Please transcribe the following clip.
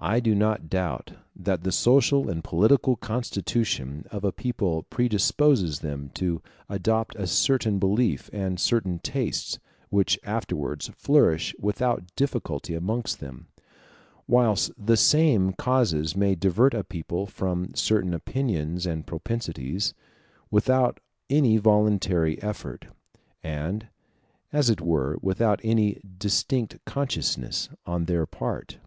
I do not doubt that the social and political constitution of a people predisposes them to adopt a certain belief and certain tastes, which afterwards flourish without difficulty amongst them; whilst the same causes may divert a people from certain opinions and propensities, without any voluntary effort, and, as it were, without any distinct consciousness, on their part.